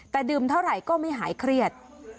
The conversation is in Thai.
แต่ดื่มเท่าไหร่ก็ไม่หายเครียด